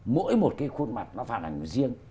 mỗi một cái khuôn mặt nó phản ảnh riêng